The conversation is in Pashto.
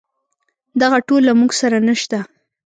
دغه ټول له موږ سره نشته.